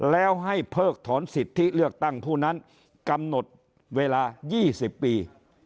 แล้วให้เพิกถอนสิทธิเลือกตั้งผู้นั้นกำหนดเวลา๒๐ปี